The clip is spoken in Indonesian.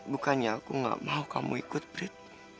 bukannya aku gak mau kamu ikut prit